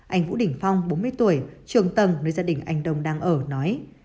anh vũ đình phong bốn mươi tuổi trường tầng nơi gia đình anh đông đang ở nói